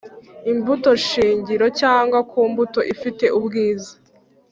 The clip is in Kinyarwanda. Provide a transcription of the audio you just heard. imbuto shingiro cyangwa ku mbuto ifite ubwiza